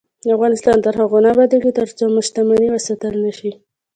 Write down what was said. افغانستان تر هغو نه ابادیږي، ترڅو عامه شتمني وساتل نشي.